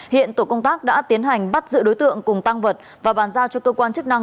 hiện tổ công tác đã tiến hành bắt giữ đối tượng cùng tăng vật và bàn giao cho cơ quan chức năng